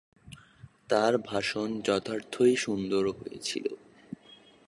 তার ভাষণ যথার্থই সুন্দর হয়েছিল।